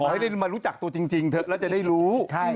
ขอให้ลูกมารู้จักตัวจริงเถอะจะได้รู้